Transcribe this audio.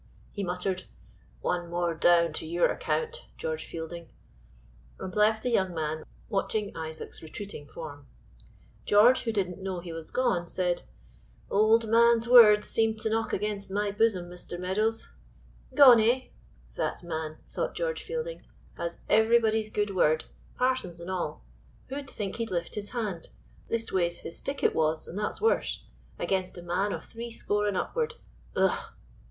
He muttered, "One more down to your account, George Fielding," and left the young man watching Isaac's retreating form. George, who didn't know he was gone, said: "Old man's words seem to knock against my bosom, Mr. Meadows Gone, eh? that man," thought George Fielding, "has everybody's good word, parson's and all who'd think he'd lift his hand, leastways his stick it was and that's worse, against a man of three score and upward Ugh!"